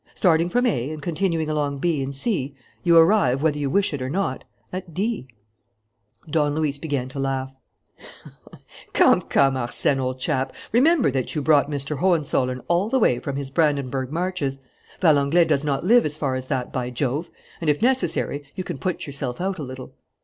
Starting from A and continuing along B and C, you arrive, whether you wish it or not, at D. Don Luis began to laugh: "Come, come, Arsène, old chap, remember that you brought Mr. Hohenzollern all the way from his Brandenburg Marches. Valenglay does not live as far as that, by Jove! And, if necessary, you can put yourself out a little....